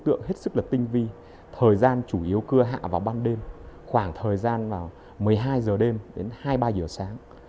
thời gian chủ yếu cưa hạ vào ban đêm khoảng thời gian vào một mươi hai h đêm đến hai mươi ba h sáng